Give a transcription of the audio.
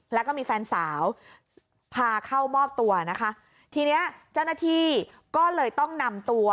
แล้วก็มีแฟนสาวพาเข้ามอบตัวนะคะทีเนี้ยเจ้าหน้าที่ก็เลยต้องนำตัว